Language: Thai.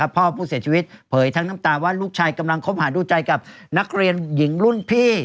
พ่อผู้เสียชีวิตเผยทั้งน้ำตาว่าลูกชายกำลังคบหาดูใจกับนักเรียนหญิงรุ่นพี่